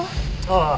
ああ。